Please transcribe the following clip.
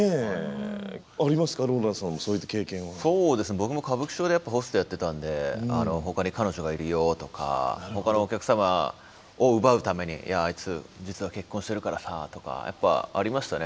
僕も歌舞伎町でやっぱホストやってたんで「ほかに彼女がいるよ」とかほかのお客様を奪うために「いやあいつ実は結婚してるからさ」とかやっぱありましたね。